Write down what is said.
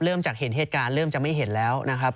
เริ่มจากเห็นเหตุการณ์เริ่มจะไม่เห็นแล้วนะครับ